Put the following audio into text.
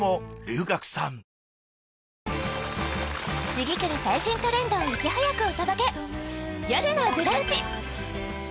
次くる最新トレンドをいち早くお届け「よるのブランチ」